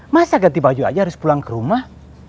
masa ganti baju aja harus pulang kerumah